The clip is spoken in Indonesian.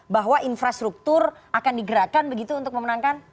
bahwa infrastruktur akan digerakkan begitu untuk memenangkan